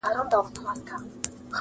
دهغه باغه چي نه خورې غم يې پر څه خورې